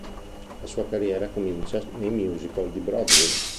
La sua carriera comincia nei musical di Broadway.